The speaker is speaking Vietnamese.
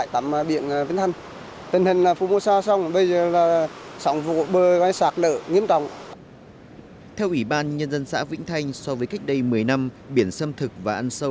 theo ủy ban nhân dân xã vĩnh thanh so với cách đây một mươi năm biển xâm thực và ăn sâu